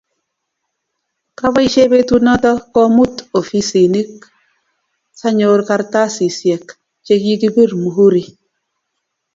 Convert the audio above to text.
Kabaishe betut noto komut ofisinik sanyor kartasisiek chikikipir mhuri.